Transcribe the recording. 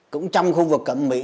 cũng trong khu vực cẩm mỹ